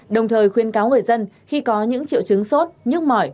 đồng thời khuyên cáo người dân khi có những triệu chứng sốt nhức mỏi